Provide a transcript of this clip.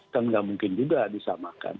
kan nggak mungkin juga disamakan